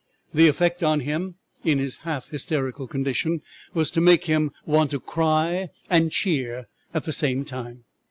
The effect on him, in his half hysterical condition, was to make him want to cry and cheer at the same time.